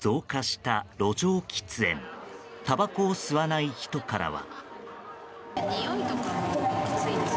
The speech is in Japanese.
たばこを吸わない人からは。